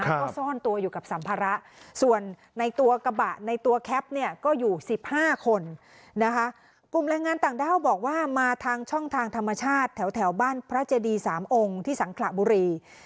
ก็ซ่อนตัวอยู่กับสัมภาระส่วนในตัวกระบะในตัวแคปเนี่ยก็อยู่๑๕คนนะคะกลุ่มแรงงานต่างด้าวบอกว่ามาทางช่องทางธรรมชาติแถวบ้านพระเจดีสามองค์ที่สังขระบุรี